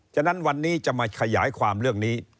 ฉะนั้นวันนี้จะมาขยายความเรื่องนี้